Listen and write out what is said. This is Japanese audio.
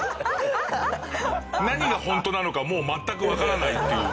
何がホントなのかもう全くわからないっていう。